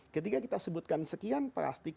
ketika kita sebutkan sekian plastik